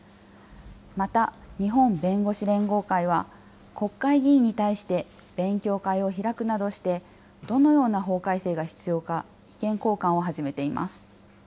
また、日本弁護士連合会は、国会議員に対して勉強会を開くなどして、どのような法改正が必要か、意見交換を始めています。